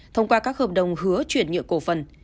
thông qua các hợp đồng hứa chuyển nhượng cổ phần